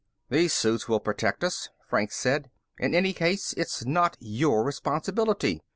"These suits will protect us," Franks said. "In any case, it's not your responsibility.